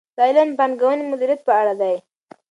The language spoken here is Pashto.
دا علم د پانګونې مدیریت په اړه دی.